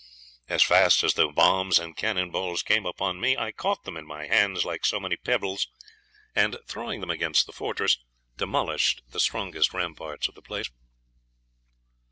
As fast as the bombs and cannon balls came upon me, I caught them in my hands like so many pebbles, and throwing them against the fortress, demolished the strongest ramparts of the place.